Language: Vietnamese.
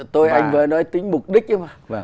tôi anh vừa nói tính mục đích ấy mà